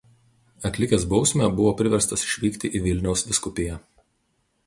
Atlikęs bausmę buvo priverstas išvykti į Vilniaus vyskupiją.